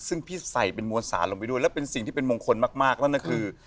ซึ่งพี่ใส่เป็นมวลสารลงไปด้วยแล้วเป็นสิ่งที่เป็นมงคลมากนั่นคือ